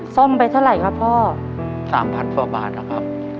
ซ่อมไปเท่าไหร่ครับพ่อสามพันกว่าบาทแล้วครับ